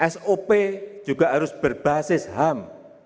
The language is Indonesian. sop juga harus berbasis ham